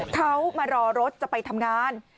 เขามารอรถจะไปทำงาน